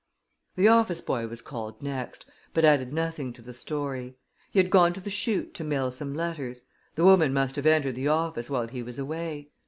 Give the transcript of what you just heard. The office boy was called next, but added nothing to the story. He had gone to the chute to mail some letters; the woman must have entered the office while he was away.